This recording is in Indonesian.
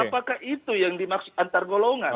apakah itu yang dimaksud antar golongan